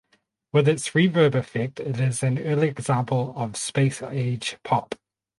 With its reverb effect it is an early example of Space Age Pop.